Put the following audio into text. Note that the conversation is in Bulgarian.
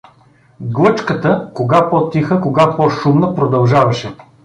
Глъчката, кога по-тиха, кога по-шумна, продължаваше.